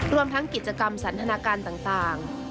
รวมทั้งกิจกรรมสันทนาการต่าง